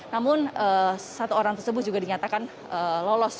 namun satu orang tersebut juga dinyatakan lolos